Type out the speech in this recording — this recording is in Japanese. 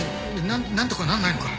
何とかなんないのか？